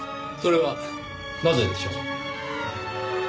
それはなぜでしょう？